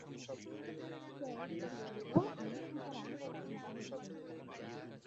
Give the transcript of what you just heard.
সে উত্তর করিল, আমি সীতারাম, আপনি বাহির হইয়া আসুন।